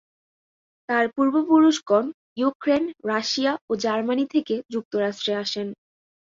তার পূর্বপুরুষগণ Ukraine, Russia ও জার্মানি থেকে যুক্তরাষ্ট্রে আসেন।